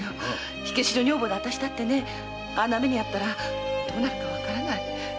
火消しの女房の私だってねあんな目に遭ったらどうなるかわからない。